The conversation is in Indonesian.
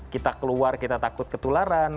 kita keluar kita takut ketularan